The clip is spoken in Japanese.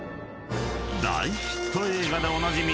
［大ヒット映画でおなじみ］